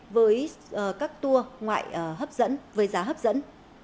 với các tour ngoại hấp dẫn với giá hấp dẫn